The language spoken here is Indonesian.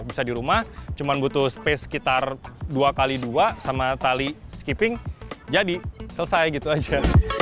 bisa di rumah cuma butuh space sekitar dua x dua sama tali skipping jadi selesai gitu aja